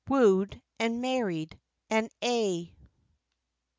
"WOOED, AND MARRIED, AND A'."